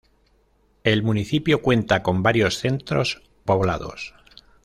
El municipio cuenta con varios centros poblados.